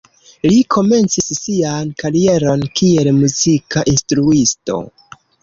Li komencis sian karieron kiel muzika instruisto.